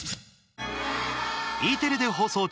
Ｅテレで放送中